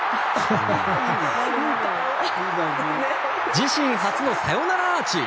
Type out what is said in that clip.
自身初のサヨナラアーチ！